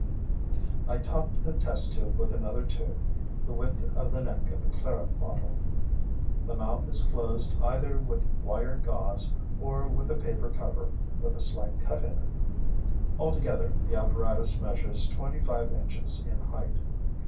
I top the test tube with another tube, the width of the neck of a claret bottle. The mouth is closed either with wire gauze, or with a paper cover with a slight cut in it. Altogether, the apparatus measures twenty five inches in height.